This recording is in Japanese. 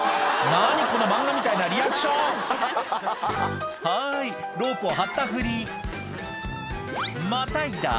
何この漫画みたいなリアクションはいロープを張ったふりまたいだ